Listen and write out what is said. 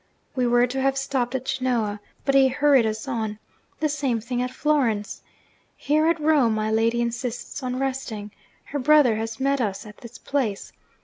We were to have stopped at Genoa, but he hurried us on. The same thing at Florence. Here, at Rome, my lady insists on resting. Her brother has met us at this place.